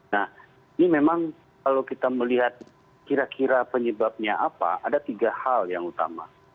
nah ini memang kalau kita melihat kira kira penyebabnya apa ada tiga hal yang utama